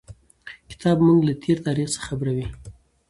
کتاب موږ له تېر تاریخ څخه خبروي.